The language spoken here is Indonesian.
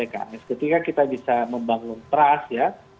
ketika kita bisa membangun trust ya